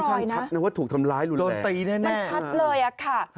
ค่อนข้างชัดนะว่าถูกทำร้ายโดนแรงโดนตีแน่มันชัดเลยค่ะ